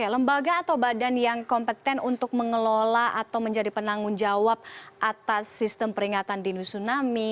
lembaga atau badan yang kompeten untuk mengelola atau menjadi penanggung jawab atas sistem peringatan dini tsunami